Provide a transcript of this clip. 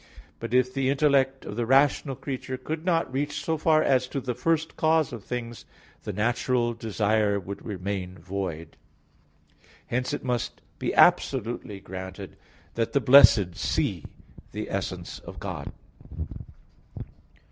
But if the intellect of the rational creature could not reach so far as to the first cause of things, the natural desire would remain void. Hence it must be absolutely granted that the blessed see the essence of God.